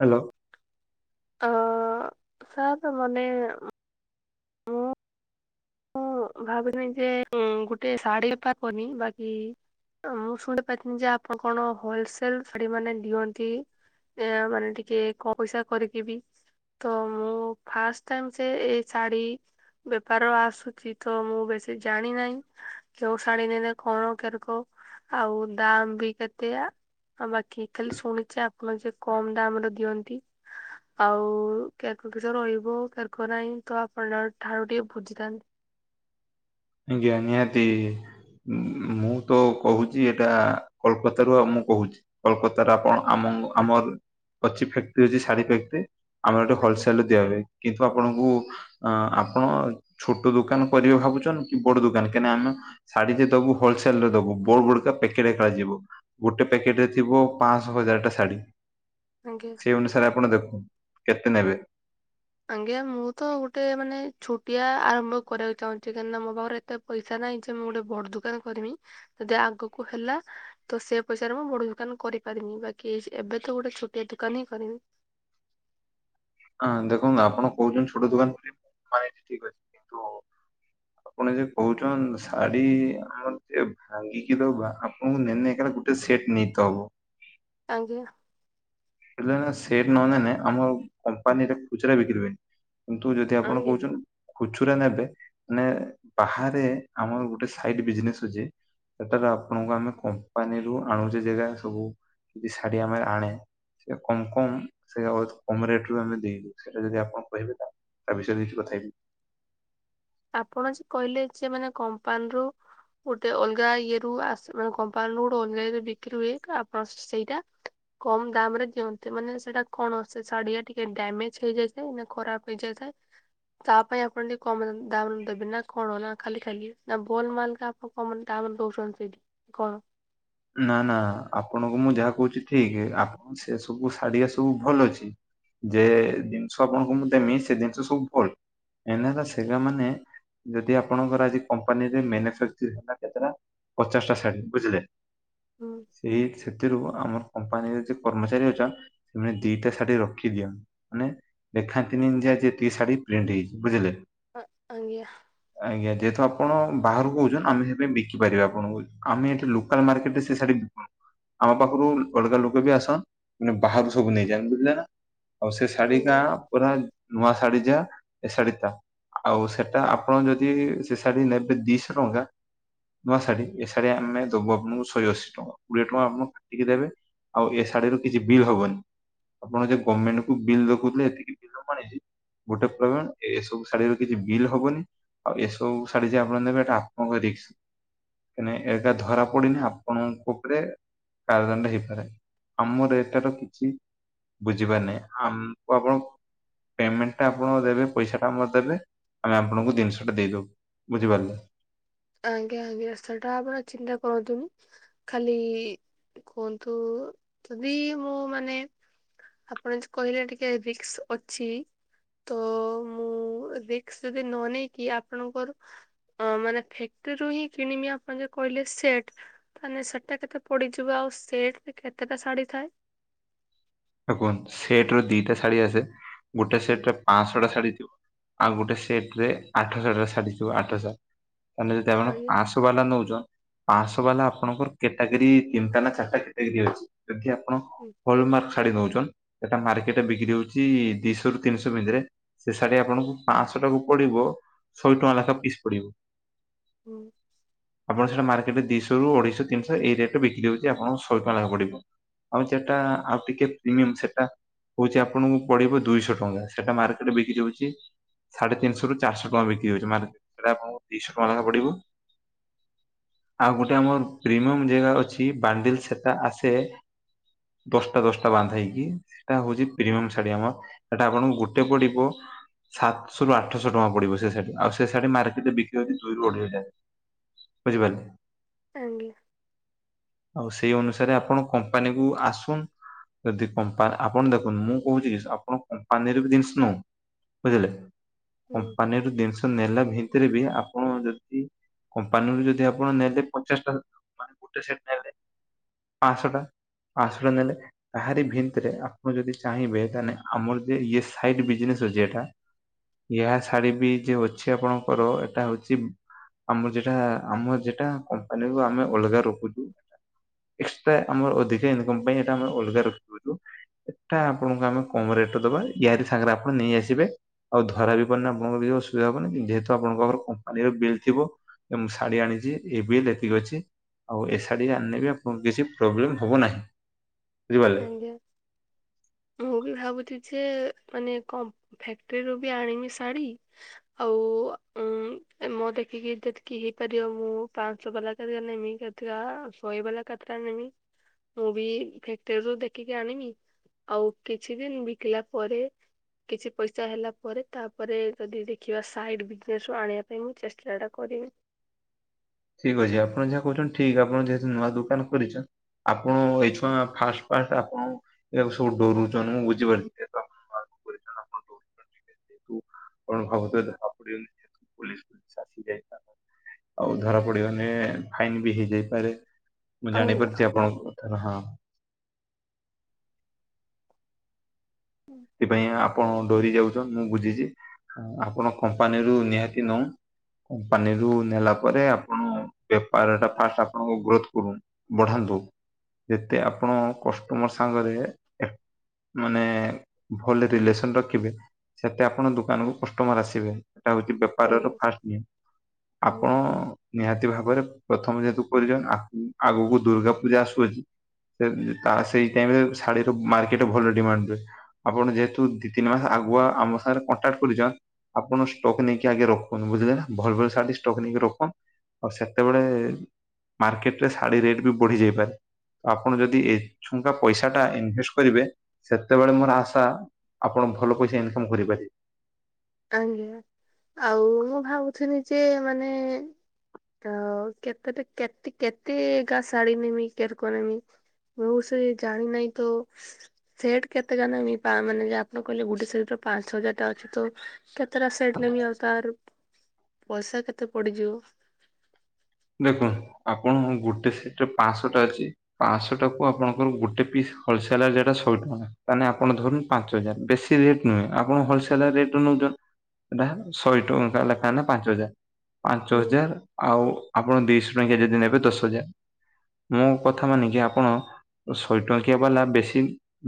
Hello. ହଁ sir ମାନେ ମୁଁ ମୁଁ ଭାବିନି ଯେ ଗୋଟେ ଶାଢୀ ପାଖନି ବାକି? ମୁଁ ଶୁଣି ପାରିଥିନି ଯେ ଆପଣ କଣ ହୋଲସେଲ ଶାଢୀ ମାନେ ଦିଅନ୍ତି? ଏହା ମାନେ ଟିକେ କ ପଇସା କରିକି ବି ତ ମୁଁ ଫାଷ୍ଟ ଟାଇମ ସେ ଏଇ ଶାଢୀ ବେପାରରୁ ଆସୁଛି। ତ ମୁଁ ବେଶୀ ଜାଣି ନାହିଁ କେଉ ଶାଢୀ ନେଲେ କଣ କେରକ? ଆଉ ଦାମ ବି କେତେ? ଆଉ ବାକି ଖାଲି ଶୁଣିଛି। ମାନେ ସେ କମ୍ ଦାମ ରେ ଦିଅନ୍ତି। ଆଉ କେରକ କିଶ ରହିବ। କେରକ ନାହିଁ ତ ଆପଣ ଠାରୁ ଟିକେ ବୁଜିିଥାନ୍ତି। ଆଜ୍ଞା ନିହାତି। ମୁଁ ତ କହୁଛି ଏଇଟା କୋଲକତା ରୁ ଆଉ ମୁଁ କହୁଛି। କୋଲକତାର ଆପଣ ଆମ ଆମର ଅଛି ଫ୍ୟାକ୍ଟ୍ରିଅଛି ଶାଢୀ ଫ୍ୟାକ୍ଟ୍ରି। ଆମର ଏଟି ଆଜ୍ଞା ହୋଲସେଲ ରେ ଦିଆହୁଏ। କିନ୍ତୁ ଆପଣଙ୍କୁ ଆ-ଆପଣ ଛୋଟ ଦୋକାନ କରିବେ ଭାବୁଛନ୍ତି? ବଡ ଦୋକାନ, କାହିଁକନା ଆମେ ଶାଢୀଯେ ଦବୁ, ହୋଲସେଲରେ ଦବୁ, ବଡ ବଡକା ପ୍ୟାକେଟ ଏକାରେ ଯିବ। ଗୋଟେ ପ୍ୟାକେଟ ରେ ଥିବ ପାଆଶହ ହଜାରଟା ଶାଢ଼ୀ। ଆଜ୍ଞା। ସେ ଅନୁସାରେ ଆପଣ ଦେଖୁନ, କେତେ ନେବେ? ଆଜ୍ଞା। ମୁଁ ତ ଗୋଟେ ମାନେ ଛୁଟିଆ ଆରମ୍ଭ କରିବାକୁ ଚାହୁଁଛି। କାହିଁକିନା ମୋ ପାଖରେ ଏତେ ପଇସା ନାଇଁ, ଯେ ମୁଁ ଗୋଟେ ବଡ ଦୋକାନ କରିମି। ଯଦି ଆଗକୁ ହେଲା, ତ ସେ ପଇସାରେ ମୁଁ ବଡ ଦୋକାନ କରିବି। ପାରିମି, ବାକି ଏବେ ତ ଗୋଟେ ଛୋଟିଆ ଦୋକାନ ହିଁ କରିବି। ହଁ, ଦେଖନ୍ତୁ ଆପଣ କହୁଛନ୍ତି ଛୋଟ ଦୋକାନ [unintelligible] ଠିକ ଅଛି କିନ୍ତୁ ଆପଣ ଯ କହୁଛନ୍ତି, ଶାଢୀ ଆମର ଯେ ଭାଙ୍ଗିକି ଦେବା, ଆପଣଙ୍କୁ ନେଇ ନେଇକା ଗୋଟେ ସେଟ୍ ନେଇତେ ହବ। ଆଜ୍ଞା। [unintelligible] ସେଟ ନନେଲେ ଆମ କମ୍ପାନୀରେ ଖୁଚୁରା ବିକିରି ହୁଏନି। କିନ୍ତୁ, ଯଦି ଆପଣ ଆଜ୍ଞା କହୁଛନ୍ତି ଖୁଚୁ ଖୁଚୁରା ନେବେ ମେ ବାହାରେ ଆମର ଗୋଟେ ସାଇଟ ବିଜନେସ ଅଛି। ସେଠାରୁ ଆପଣଙ୍କୁ ଆମେ କମ୍ପାନୀରୁୁ ଆଣୁଛେ, ଯେଗା ସବୁ କିଛି ଶାଢୀ ଆମେ ଆଣେ। ସେ କମ କମ ସେୟା ବହୁତ୍ କମ ରେଟରୁ ଆମେ ଦେଇ ଦଉଛୁ। ସେଇଟା ଯଦି ଆପଣ କହିବେ ତାହେଲେ ତା ବିଷୟରେ କିଛି କଥା ହେବି। ଆପଣ ଯେ କହିଲେ ଯେ ମାନେ କମ୍ପାନୀରୁୁ ଗୋଟେ ଅଲଗା ଇଏରୁ ଆସ ମାନେ କମ୍ପାନୀରୁୁ ଗୋଟେ ଅଲଗା ଇରେ ବିକ୍ରି ହୁଏ ଆପଣ ସେଇଟା କମ ଦାମରେ ଦିଅନ୍ତେ ମାନେ ସେଇଟା କଣେ ଶାଢୀଆ ଟିକେ ଡ୍ୟାମେଜ ହେଇଯାଇ ଥାଏ ନା ଖରାପ ହେଇଯାଇ ତା ପାଇଁ ଆପଣ କମ [unintelligible] ତାନ ଦେବି ନା କଣ ନା ଖାଲି ଖାଲି ନା ଭୋଲ ମାଲ ଆପଣ କ ମ ତା ଦହୁଛନ୍ତି ସେଇଠି କଣ? ନା ନା ଆପଣଙ୍କୁ ମୁଁ ଯାହା କହୁଛି ଠିକ ଆପଣ ସେ ସବୁ ଶାଢୀଆ ସବୁ ଭଲ ଅଛି। ଯେ ଜିନିଷ ଆପଣଙ୍କୁ ମୁଁ ଦେମି ସେ ଜିନିଷ ସବୁ ଭଲ ଏଲା ସେଗା ମାନେ ଯଦି ଆପଣଙ୍କର କପାନୀରେ ମ [unintelligible] କେତେ ପଚାଶା ଶାଢ଼ୀ ବୁଝିଲେ ହୁଁ। ସିକ୍ସ ସେଥିରୁ ଆମର କମ୍ପାନୀର ଯେ କର୍ମଚାରୀ ଅଛନ ସେମାନେ ଦିଟା ଶାଢୀ ରଖି ଦିଅନ୍ତ ମାନେ ଦେଖାନ୍ତିନି ଯେଏତିକି ଶାଢୀ ପ୍ରିଣ୍ଟ ହେଇଛି ବୁଝିଲେ? ଅ-ଆଜ୍ଞା। ଆଜ୍ଞା ଯେହେତୁ ଆପଣ ବାହାରକୁ କହୁଛନ୍ ଆମେ ସେଥି ପାଇଁ ବିକି ପାରିବା ଆପଣଙ୍କୁ ଆମେ ଏଠି ଲୋ ମାର୍କେଟ ସେ ଶାଢ଼ୀ ଆମ ପାଖରୁ ଅଲଗା ଲୋକ ବି ଆସନ ମାନେ ବାହାରୁ ସବୁ ନେଇ ଯାଆନ ବୁଝିଲେ ନା? ଆଉ ସେ ଶାଢୀ ଟା ଆଜ୍ଞା ପୁରା ନୂଆ ଶାଢୀ ଯା ଏ ଶାଢୀ ଟା ଆଉ ସେଟା ଆପଣ ଯଦି ସେ ଶାଢୀ ନେବେ ଦିଶହ ଟଙ୍କା। ନୂଆ ଶାଢୀ ଏ ଶାଢୀ ଆମେ। ବୁ ଆପଣଙ୍କୁ ଶହେ ଅଶୀ ଟଙ୍କା କୋଡିଏ ଟଙ୍କା ଆମକୁ କାଟିକି ଦେବେ ଆଉ ଏ ଶାଢ଼ୀର କିଛି ବିଲ ହବନି। ଆପଣ ଯେ ଗମେଣ୍ଟ କୁ ବିଲ ଦଖଉଥିଲେ ଏତିକି ବିଲ [unintelligible] ଗୋଟେ ପ୍ରୋବ୍ଲେମ ଏସବୁ ଶାଢୀର କିଛି ବିଲ୍ ହବନି ଆଉ ଏସବୁ ଶାଢୀ ଯେ ଆପଣ ନେବେ ସେଟା ଆପଣଙ୍କ ରି ନାଇ ଏଟା ଧରା ପଡିିନି ଆପଣଙ୍କ ଉପରେ କାରଦଣ୍ଡ ହେଇପାରେ ଆମର ଏଟାର କିଛି ବୁଝିପାରିନି ଆମକୁ ଆପଣ ପେମେଣ୍ଟା ଆପଣ ଦେବେ ପଇସାଟା ଦେବେ ଆମେ ଆପଣଙ୍କୁ ଜିନିଷ ଟା ଦେଇଦବୁ ବୁଝିପାରିଲେ? ଆଜ୍ଞା ଆଜ୍ଞା ସେଟା ଆପଣ ଚିନ୍ତା କରନ୍ତୁନି ଖାଲି କୁହନ୍ତୁ ଯଦି ମୁଁ ମାନେ ଆପଣ ଯ କହିଲେ ଟିକେ ରିକ୍ସ ଅଛି ତ ମୁଁ ରିକ୍ସ ଯଦି ନ ନେଇକି ଆପଣଙ୍କର ମାନେ ଫେ ସେଥିରୁ ହିଁ କିଣିବି ଆପଣ ଯ କହିଲେ ସେଟ ତାଲେ ସେଟଟା କେତେ ପଡିଯିବ ଆଉ ସେଟ କେ କେତେ ଶାଢ଼ୀ ଥାଏ? ଆ କୁହନ୍ତୁ ସେଟରୁ ଦିଟା ଶାଢ଼ୀ ଆସେ ଗୋଟେ ସେଟରେ ପାଆଶହଟା ଶାଢୀ ଥିବ। ଆଉ ଗୋଟେ ସେଟ ରେ ଆଠଶହ ଟା ାଡିଥିବ ଆଠଶହ। ତାହେଲେ ଯଦିେ ଆଜ୍ଞା। ଆସ ବାଲା ନେଉଛ ପାଞ୍ଚଶହ ବାଲା ଆପଣଙ୍କର କ୍ୟାଟାଗୋରୀ ତିନିଟା ନା ଚାରିଟା କ୍ୟାଟାଗୋରୀ ଅଛି? ଯଦି ଆପଣ ହଲମାର୍କ [unintelligible] ଛାଡି ନଉଛନ୍ ସେଟା ମାର୍କେଟରେ ବିକ୍ରି ହଉଛି ଦିଶହୁ ତିନିଶହ ଭିତରେ ସେ ଶାଢ଼ୀ ଆପଣଙ୍କୁ ପାଞ୍ଚଶହ ଟାକୁ ପଡିବ ଶହେ ଟଙ୍କା ଲେଖାଏ ପିସ ପଡିବ? ହୁଁ? ଆପଣ ସେଇା ମାର୍କେଟରେ ଦିଶହ ର ଅେଇଶହତିନିଶହ ଏଇରେଟରେ ବିକ୍ରି ହଉଛି ଆଣଙ୍କୁ ଶହ ଟଙ୍କା ଲାଖ ପଡିବ? ଆଉ ସେଟା। ଟିକେ ପ୍ରିମିୟ ସେଟା ହଉଛି ଆପଣଙ୍କୁ ପେଇ ଦୁଇଶହ ଟଙ୍କା ସେଟା ମାର୍କେଟରେ ବିକି ଯାଉଛି [unintelligible] ସାଢେ ତିନିଶହ ରୁ ଚାରିହ ଟଙ୍କା ବିକ୍ରି ହଉଛି ମାନେଟା ଆପଣଙ୍କୁ ଦିଶହ ଟଙ୍କା ଲେଖା ପଡିବ? ଆଉ ଗୋଟେ ଆମର ପ୍ରିମିୟମ ଜାଗା ଅଛି ବାଣ୍ଡିଲ ସେଟା ଆସେ? ବସ [unintelligible] ଟା ଦଶଟା ବାନ୍ଧ ହେକି ସେଟା ହଉଛି ପ୍ରିମିୟମ ଶାଢୀ ଆମର ସେଇଟା ଆପଣଙ୍କୁ ଗୋଟେ ପଡିବ? ସାତଶହ ରୁ ଆଠଶହ ଟଙ୍କା ପଡିବ ସେ ଶାଢୀ ଆଉ ସେ ଶାଢୀ ମାର୍କେଟରେ ବିକିରି ହଉଛି ଦୁଇରୁ ଅଢେଇ ଟା? ବୁଝିପାରିଲି? ଆଜଂ୍ଞା [unintelligible] ଆଉ ସେଇ ଅନୁସାରେ ଆପଣ କମ୍ପାନୀ କୁ ଆସୁନ [inaudible] ଯଦି କାନ ଆପଣ ଦେଖନ୍ତୁ ମୁଁ କହୁଛି ଆପଣ କମ୍ପାନୀରେ ବି ଜିନିଷ ନୁହଁ [unintelligible] ବୁଝିଲେ ହୁଁ, କମ୍ପାନୀରୁ ଜିନିଷ ନେଲା ଭିତରେ ବି ଆପଣ ଯଦି କମ୍ପାନୀରୁ ଯଦି ଆପଣ ନେଲେ ପଚାଶ ଟା ମାନେ ଗୋଟେ ସେଟ ନେଲେ ପାସଂଟା ପାସଂଟା ନଲେ ତାହାରି ଭିନ୍ତିରେ ଆପଣ ଯଦି ଚାହିଁବେ ତାନେ ଆମର ଯେ ଇଏ ସାଇଡ୍ ବିଜନେସ ଅଛ ଏଟା। ଏୟାହ ଶାଢ଼ୀ ବି ଯେ ଅଛେ ଆପଣଙ୍କର ଏଟା ହଉଛି। ଆମର ଯେଟା ଆମର ଯେଟା କମ୍ପାନୀରୁ ଆମେ ଅଲଗା ରଖୁଛୁ। ଏକ୍ସଟ୍ରା ଆମର ଅଧିକା ଇନକମ୍ ପାଇଁ ଏଟା ଆମର ଅଲଗା ରଖୁଛୁ। ଏଟା ଆପଣଙ୍କୁ ଆମେ କମ ରେଟରେ ଦବା ୟାରି ସାଙ୍ଗରେ ଆପଣ ନେଇ ଆସିବେ। ଆଉ ଧରା ବି ପଡ଼ିନା [unintelligible] ମୁଁ ବିି ଅସୁବିଧା ହବନି କି ଯେହେତୁ ଆପଣଙ୍କ ପାଖର କମ୍ପାନୀର ବିଲ୍ ଥିବ ଏବଂ ଶାଢୀ ଆଣି। ଯେ ଏବେ ଏତକୀ [unintelligible] ଅଛି ଆଉ ଏ ଶାଢ଼ୀ ଆଣିଲେ ବି ଆପଣଙ୍କୁ କିଛି ପ୍ରୋବ୍ଲେମ୍ ହବ ନାହିଁ। ହୁଁ ବୁଝିପାରିଲେ। ଆଜ୍ଞା ମୁଁ ବି ଭାବୁଛି ଯେ। ମାନେ କମ୍ ଫକ୍ଟ୍ରିରୁୁ ବି ଆଣନି ଶାଢୀ ଆଉ ଉମ ମ ଦେଖ୍ ତିକେ ଯେତିକି ହେଇପାରିବ ମୁଁ ପାଞ୍ଚଶହ ଗଲା କରେ ଅନେଇବି କାତକା ଶହେ ବାଲା କାତରା ନେମି ମୁଁ ବି ଫେକ୍ଟିରୁୁ ଦେଖିକି ଆଣିବି ଆଉ କିଛି ଦିନ ବିକିଲା ପରେ କିଛି ପଇସା ହେଲା ପରେ ତାପରେ ଯଦି ଦେଖିବା ସାଇଡ ବିଜନେସ ରୁ ଆଣିବା ପାଇଁ ମୁଁ ଚେଷ୍ଟା ଟା ଅଦିମ ଠିକ ଅଛି ଆପଣ ଯାହା କହୁଛନ୍ତି ଠିକ ଆପଣ ଯେହେତୁ ନୂଆ ଦୋକାନ କରିଛ। ଆପଣ ଏଇଛୁଆ ଫାଷ୍ଟ ପାର୍ଟ ଆପଣ ଏବେ ସବୁ ଡରୁଛନ୍ ମୁଁ ବୁଝିପାରୁି [unintelligible] ଆର କରିଛନ୍ତି ଆପଣ ଦୌଛନ୍ତି। ଯେହେତୁ କଣ ଭବତେ-ତେ ଭାପୁଟିଗଲି ଯେହେତୁ ପୋଲିସ୍ ପୋଲିସ୍ [inaudible] ଆଉ ଧରା ପଡିବାନେ ଫାଇନ ବି ହେଇଯାଇପାରେ। ମୁଁ ଆଜ୍ଞା। ଜାଣିପାରୁଛି ଆପଣଙ୍କ କଥାରେ ହଁ ସେଥିପାଇଁ ଆପଣ ଡରି ଯାଉଛନ୍ତି। ମୁଁ ବୁଝିଛି ଆପଣ କମ୍ପାନୀରୁୁ ନିହାତି ନଉ କମ୍ପାନିିରୁ ନେଲା ପରେ ଆପଣ ବେପାର ଟା ଫାଷ୍ଟ ଆପଣଙ୍କ ଗ୍ରୋଥ କରୁନ୍ ବଢାନ୍ତୁ। ଯେତେ ଆପଣ କଷ୍ଟମର ସାଙ୍ଗରେ ଏ ମାନେ ଭଲ ରିଲେସନ ରଖିବେ ସେତେ ଆପଣ ଦୋକାନକୁ କଷ୍ଟମର ଆସିବେ। ସେଟା ହଉଛି ବେପାରର ଆଜ୍ଞା ଫାଷ୍ଟ ନିୟମ ଆପଣ ନିହାତି ଭାବରେ ପ୍ରଥମେ ଯେହେତୁ କରିଛନ୍ ଆକୁ ଆଗକୁ ଦୁର୍ଗା ପୂଜା ଆସୁଅଛି। ସେ ତା ସେଇ ଟାଇମରେ ଶାଢୀର ମାର୍କେଟ ଭଲ ଡିମାଣ୍ଡ ରୁ ଆପଣ ଯେହେତୁ ଦି ତିନି ମାସ ଆଗୁଆ ଆମ ସାଙ୍ଗରେ କଣ୍ଟାକ୍ଟ କରିଛନ୍। [unintelligible] ଆଉ ସେତେବେଳେ ମାର୍କେଟ ରେ ଶାଢ଼ୀ ରେଟ୍ ବି ବଢି ଯାଇପାରେ। ତ ଆପଣ ଯଦି ଏଛୁଙ୍କା ପଇସା ଟା ଇନଭେଷ୍ଟ କରିବେ ସେତେବେଳେ ମୋର ଆସ ଶା ଆପଣ ଭଲ ପଇସା ଇନକମ୍ କରିପାରିବେ। ଆଜ୍ଞା ଆଉ ମୁଁ ଭାବୁଥିନି ଯେ ମାନେ [unintelligible] [unintelligible] ପାଞ୍ଚ ହଜାର ଟା ଅଛି ତ କେତେଟା ସେଟ ନେମି ଆଉ ତାର ପଇସା କେତେ ପଡିଯିବ। ଦେଖନ୍ତ ଆପଣ ଗୋଟେ ସେଟରେ ପାଞ୍ଚଶହ ଟା ଅଛି ପାଞ୍ଚଶହ ଟା କୁ ଆପଣଙ୍କର ଗୋଟେ ପିସ୍ ହୋଲସେଲରରେ ରେଟ୍ ଟା ଶହେ ଟଙ୍କା ତାନେ ଆପଣ ଧରନ୍ତୁ ପାଞ୍ଚ ହଜାର ବେଶି ରେଟ ନୁହେଁ ଆପଣ ହୋଲସେଲର ରେଟ୍ ନୁହଁ। ଟ ଏଇଟା ହବ ଶହେ ଟଙ୍କା ଲେଖାନା ପାଞ୍ଚ ହଜାର ପାଞ୍ଚ ହୁଁ ହଜାର ଆଉ ଆପଣ ଦିଶହ ଟଙ୍କିଆ ଯଦି ନେବେ ଦଶ ହଜାର ମୋ କଥା ମାନିକି ଆପଣ ଶହେ ଟଙ୍କିଆ ବାଲା ବେଶି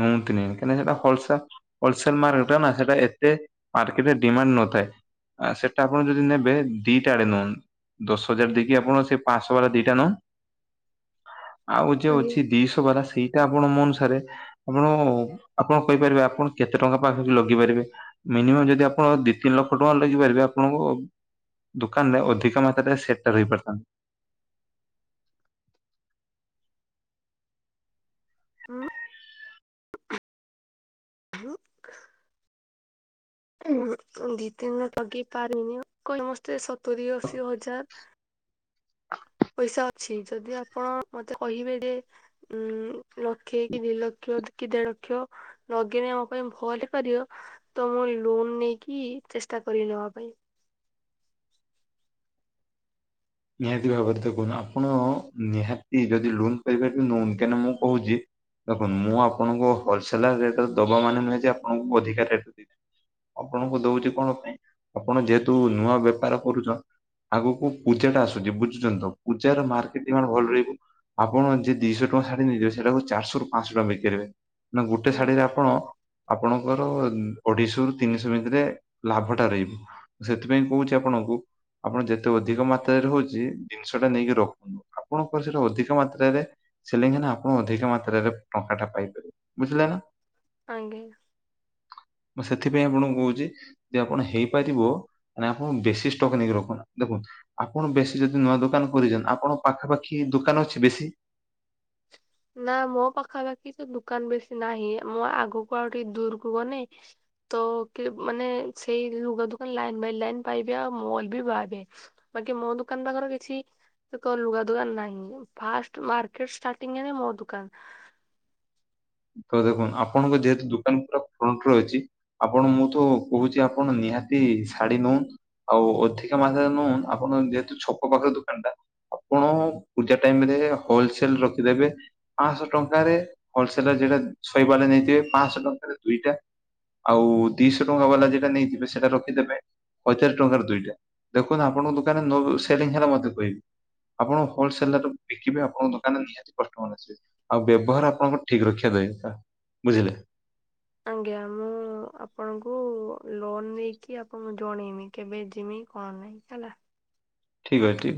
ନୁଅନ୍ତିନି କାଁହିକି ନା ସେଟା ହୋଲସର ହୋଲସେଲ ମର୍କଟା ନା ସେଇଟା ଏତେ ମାର୍କେଟରେ ଡିମାଣ୍ଡ ନଥାଏ। [unintelligible] କି ଆପଣ ସେଇ ପାଞ୍ଚଶହ ବାଲା ଦିଟା ନହ ଆଉ ଯୋଉ ଅଛି ଦିଶହ ବାଲା ସେଇ ଆପଣ ମୋ ଅନୁସାରେ ଆପଣ ଆପଣ କହିପାରିବେ ଆପଣ କେତେ ଟଙ୍କା ପାଖ ଲଗେଇ ପାରିବେ। ମିନିମମ୍ ଯଦି ଆପଣ ଦି ତିନି ଲକ୍ଷ ଟଙ୍କା ଲାଗିପାରିବେ ଆପଣଙ୍କୁ ଦୋକାନ ରେ ଅଧିକ ମାତ୍ରାରେ ସେଟର ହେଇପାରୁ ହଁ। ଆଜ୍ଞା। [unintelligible] ଦି ତିନ ଲଗେଇ ପାରିନି ସମସ୍ତେ ସତୁରିୀ ଅଶି ହଜାର ପଇସା ଅଛି ଯଦି ଆପଣ ମତେ କହିବେ ଯେ ଉ ଲକ୍ଷେ କି ଦି ଲକ୍ଷ ଯ କି ଦେଢ ଲକ୍ଷ ଲଗେଇଲେ ଆମ ପାଇଁ ଭଲ ହେଇପାରିବ ତ ମୁଁ ଲୋନ ନେଇକି ଚେଷ୍ଟା କରିବି ନବା ପାଇଁ ନିହାତି ଭାବରେ ଦେ କହୁନ ଆପଣ ନିହାତି ଯଦି ଲୋନପାରିବେ ନଉନ କାହିଁକିନା ମୁଁ କହୁଛି ଦେଖନ୍ ମୁଁ ଆପଣଙ୍କୁ ହୋଲସେଲ ରେଟ ଦବା ମାନେ ନୁହେଁ ଯେ ଆପଣଙ୍କୁ ଅଧିକା ରେଟ ରେ ଦେବି ଆପଣଙ୍କୁ ଦଉଛି କଣ ପାଇଁ ଆପଣ ଯେହେତୁ ନୂଆ ବେପାର କରୁଛ ଆଗକୁ ପୂର୍ବ ପୂଜା ଟା ଆସୁଛି ବୁଝୁଛନ୍ତି ପୂଜାର ମାର୍କେଟିଙ୍ଗ ଭଲ ରହିବ। ଆପଣ ଯି ଦିଶହ ଟଙ୍କା ଶାଢି ନେଇଯିବେ ସେଟାକୁ ଚାରିହରୁ ପାଞ୍ଚଶହ ଟଙ୍କା ନେଇପାରିବେ। ନା ଗୋଟେ ହୁଁ ଶାଢୀରେ ଆପଣ ଆପଣଙ୍କର ଅଢେଇଶ ର ତିନିଶହ ଭିତରେ ଲାଭ ଟା ରହିବ ସେଥିପାଇଁ କହୁଛି ଆପଣଙ୍କୁ ଆପଣ ଯେତେ ଅଧିକ ମା ହଉଛି ଜିନିଷଟା ନେଇକି ରଖନ୍ତୁ ଆପଣଙ୍କ ସେଇଟା ଅଧିକ ମାତ୍ରାରେ ସେଲିଂ ଆପଣ ଅଧିକ ମାତ୍ରାରେ ଟଙ୍କା ଟା ପାଇପାରିବ ବୁଝିଲେ ନା। ଆଜ୍ଞା। ମୁଁ ସେଥିପାଇଁ ଆପଣଙ୍କୁ କହୁଛି ଯେ ଆପଣ ହେଇପାରିବ ନ ଆପଣ ବେସି ଷ୍ଟକ୍ ନେଇକି ରଖନ୍ତ ଦେଖନ୍ତୁ। ଆପଣ ବେଶି ଯଦି ନୂଆ ଦୋକାନ କରିଛନ୍ ଆପଣଙ୍କ ପାଖାପାଖି ଦୋକାନ ଅଛି ବେଶି। ନା ମୋ ପାଖାପାଖି ତ ଦୁକାନ ବେଶି ନାହିଁ ମୁଁ ଆଗକୁ ଆଉ ଟିକେ ଦୂରକୁ ଗଲେ [unintelligible] [unintelligible] କି ମୋ ଦୁକାନ। ତ ଦେଖନ୍ତ ଆପଣଙ୍କ ଯେହେତୁ ଦୋକାନ ପୁରା ଫ୍ରଣ୍ଟରେ ଅଛି ଆପଣ ମୁଁ ତ କହୁଛି ଆପଣ ନିହାତି ଶାଢୀ ନୁନ ଆଉ ଅଧିକା ମାାତାରେ ନୁନ ଆପଣ ଯେହେତୁ ଛକ ପାଖରେ ଦୋକାନ ଟା ଆପଣ ପୂଜା ଟାଇମ ରେ ହୋଲସେଲ ରଖିଦେବେ ପାଞ୍ଚଶହ ଟଙ୍କାରେ ହୋଲସେଲ। [unintelligible] ଆଉ ଦିଶହ ଟଙ୍କା ବାଲା ଯେଟା ନେଇଯିବେ ସେଟା ରଖିଦେବେ ହଜାର ଟଙ୍କାରେ ଦୁଇଟା ଦେଖନ୍ତୁ ଆ ଆପଣ ଙ୍କ ଦୋକାନରେ ନୋ ସେଲିଂ ମତେ କହିବି। ଆପଣ ହୋଲସେଲ ବିକିବେ ଆପଣଙ୍କ ଦୋକାନରେ ନିହାତି କଷ୍ଟମର ଆସିବେ ଆଉ ବ୍ୟବହାର ଆପଣଙ୍କ ଠିକ ରକ୍ଷା [unintelligible] ବୁଝିଲେ। ଆଜ୍ଞା ମୁଁ ଆପଣଙ୍କୁ ଲୋନ ନେଇକି ଆପଣଙ୍କୁ ଜଣେଇମି କେବେ ଯିମି। କଣ ନାଇଁ ହେଲା। ଠିକ ଅଛି।